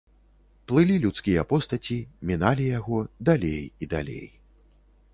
Плылі людскія постаці, міналі яго, далей і далей.